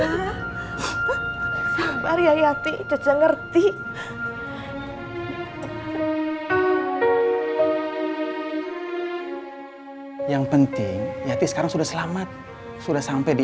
ya tidak bari ayati cek ngerti yang penting yati sekarang sudah selamat sudah sampai di